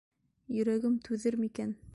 Йөрәгем түҙер микән?..